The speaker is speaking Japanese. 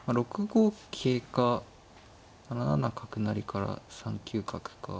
６五桂か７七角成から３九角か。